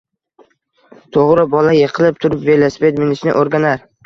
To'g'ri, bola yiqilib-turib velosiped minishni o'rganar